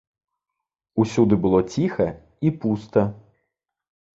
Усюды было ціха і пуста.